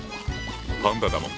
パンダだもん。